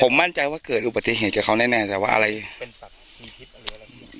มั่นใจว่าเกิดอุบัติเหตุกับเขาแน่แต่ว่าอะไรเป็นสัตว์มีพิษหรืออะไร